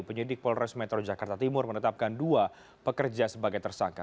penyidik polres metro jakarta timur menetapkan dua pekerja sebagai tersangka